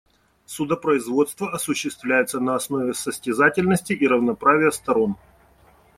Судопроизводство осуществляется на основе состязательности и равноправия сторон.